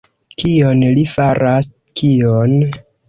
Kion li faras, kion?